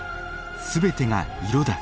全てが色だ。